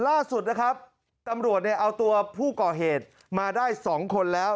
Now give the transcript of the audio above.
ล่าสุดนะครับตำรวจเนี่ยเอาตัวผู้ก่อเหตุมาได้๒คนแล้ว